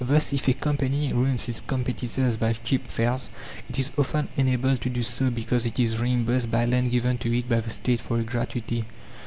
Thus, if a company ruins its competitors by cheap fares, it is often enabled to do so because it is reimbursed by land given to it by the State for a gratuity.